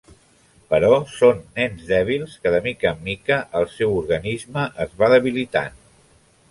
Però són nens dèbils que de mica en mica el seu organisme es va debilitant.